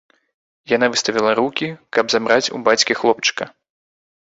Яна выставіла рукі, каб забраць у бацькі хлопчыка.